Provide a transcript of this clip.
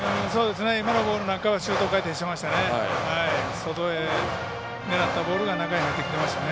今のボールなんかはシュート回転してましたね。